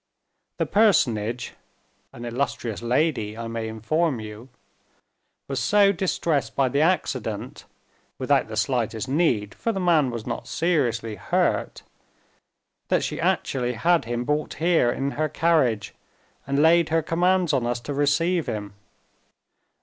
The personage (an illustrious lady, I may inform you) was so distressed by the accident without the slightest need, for the man was not seriously hurt that she actually had him brought here in her carriage, and laid her commands on us to receive him.